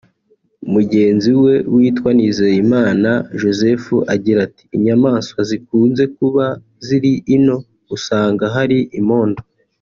Mugenzi we witwa Nizeyimana Joseph agira ati “inyamaswa zikunze kuba ziri ino usanga hari imondo